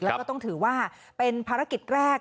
แล้วก็ต้องถือว่าเป็นภารกิจแรก